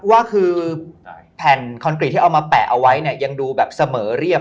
ว่าคือแผ่นคอนกรีตที่เอามาแปะเอาไว้เนี่ยยังดูแบบเสมอเรียบ